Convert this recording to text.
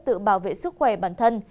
tự bảo vệ sức khỏe bản thân